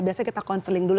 biasanya kita counseling dulu